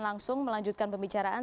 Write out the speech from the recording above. langsung melanjutkan pembicaraan